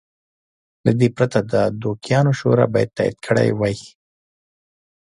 له دې پرته د دوکیانو شورا باید تایید کړی وای.